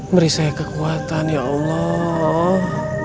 beri saya kekuatan ya allah